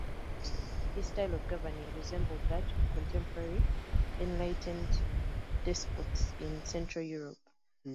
His style of governing resembled that of contemporary enlightened despots in Central Europe.